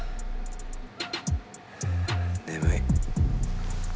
眠い。